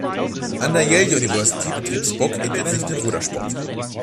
An der Yale University betrieb Spock intensiv den Rudersport.